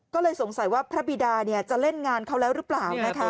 ก็เลยสงสัยว่าพระบิดาจะเล่นงานเขาแล้วหรือเปล่านะคะ